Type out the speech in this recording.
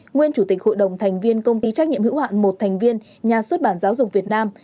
nguyên chủ tịch hội đồng thành viên công ty trách nhiệm hữu hạn một thành viên nhà xuất bản giáo dục việt nam